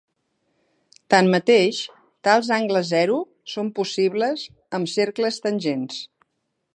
Tanmateix, tals angles zero són possibles amb cercles tangents.